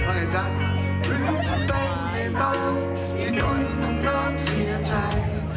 หรือจะเป็นในตอนที่คุณต้องโน้นเชียดใจ